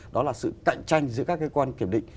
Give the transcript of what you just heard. đó là sự cạnh tranh giữa các cơ quan kiểm định